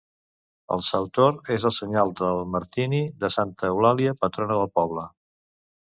El sautor és el senyal del martiri de Santa Eulàlia, patrona del poble.